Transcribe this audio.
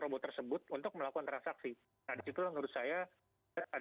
robot tersebut untuk melakukan transaksi ada itu menurut saya adanya tambahan resiko yang